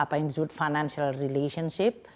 apa yang disebut financial relationship